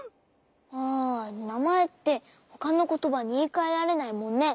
ああなまえってほかのことばにいいかえられないもんね。